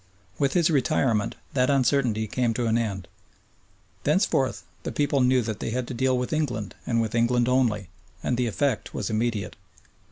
With his retirement that uncertainty came to an end. Thenceforth the people knew that they had to deal with England and with England only, and the effect was immediate.